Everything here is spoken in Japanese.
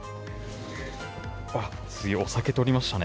お酒取りましたね。